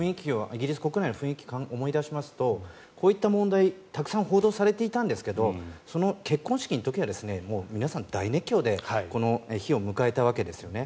イギリス国内の雰囲気を思い出しますとこういった問題たくさん報道されていたんですがその結婚式の時は皆さん大熱狂でこの日を迎えたわけですよね。